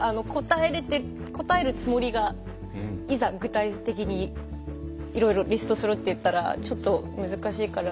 答えるつもりが、いざ具体的にいろいろリストしろって言われたらちょっと、難しいから。